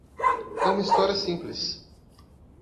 É uma história simples.